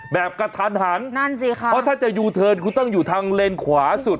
แบบกระทันหันนั่นสิคะเพราะถ้าจะยูเทิร์นคุณต้องอยู่ทางเลนขวาสุด